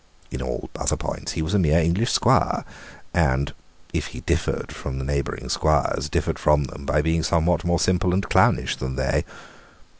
In all other points he was a mere English squire, and, if he differed from the neighbouring squires, differed from them by being somewhat more simple and clownish than they.